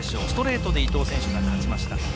ストレートで伊藤選手が勝ちました。